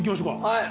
はい！